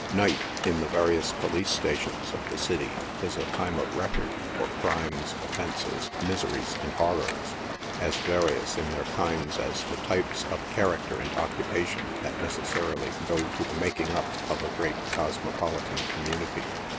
Night in the various Police stations of the city is a time of record for crimes, offences, miseries and horrors, as various in their kinds as the types of character and occupation that necessarily go to the making up of a great cosmopolitan community.